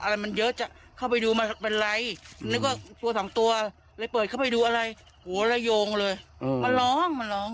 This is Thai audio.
เลยเข้าไปดูอะไรหัวไลโยงเลยมาร้องมาร้อง